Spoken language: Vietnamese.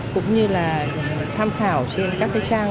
cũng như là tham khảo trên các truyền thông